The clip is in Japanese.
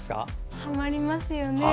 はまりますよね。